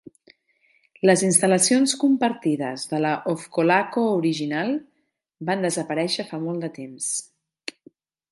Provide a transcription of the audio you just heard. Les instal·lacions compartides de la Ofcolaco original van desaparèixer fa molt de temps.